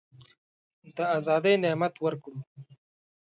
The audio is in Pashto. د آزادی نعمت ورکړو.